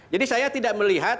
jadi saya tidak melihat